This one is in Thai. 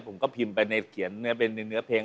ผมก็พิมพ์ไปในเขียนเนื้อเป็นเนื้อเพลง